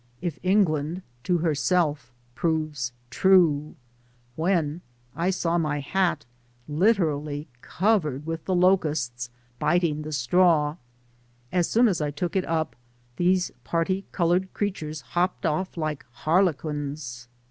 If England to her Self proves true — when I saw my hat literally covered with locusts biting the straw. As soon as I took it up, these parti coloured creatures hopped off like har lequins.